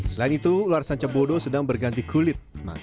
selain itu ular sancabodo sedang berganti kulit maka